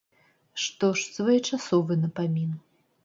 Што ж, своечасовы напамін.